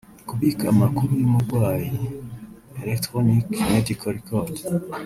Kubika amakuru y’umurwayi (Electronic Medical Record)